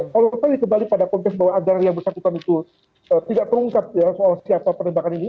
kalau tadi kembali pada konteks bahwa agar yang bersangkutan itu tidak terungkap soal siapa penembakan ini